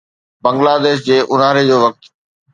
بنگلاديش جي اونهاري جو وقت